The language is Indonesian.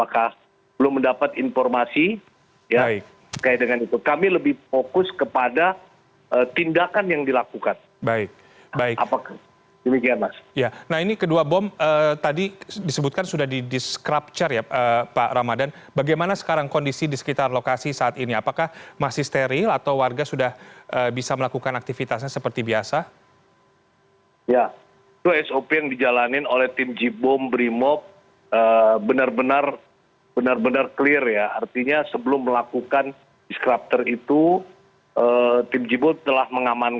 kami akan mencari penangkapan teroris di wilayah hukum sleman